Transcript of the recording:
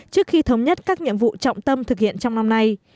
trước khi thống nhất các nhiệm vụ trọng tâm thực hiện trong năm nay